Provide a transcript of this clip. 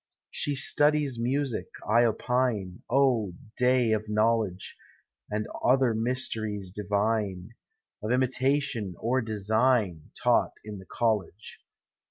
She studies music, 1 opine; O day of knowledge! Aud other mysteries divine, Of imitation or design. Taught in the college.